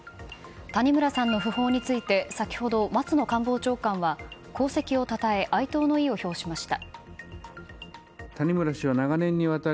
谷村さんの訃報について先ほど松野官房長官は功績をたたえ哀悼の意を表しました。